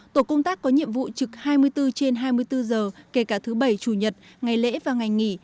tổ công tác có nhiệm vụ trực hai mươi bốn trên hai mươi bốn giờ kể cả thứ bảy chủ nhật ngày lễ và ngày nghỉ